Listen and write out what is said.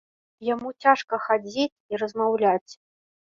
Яму цяжка хадзіць і размаўляць.